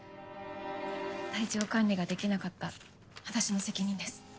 体調管理ができなかった私の責任です。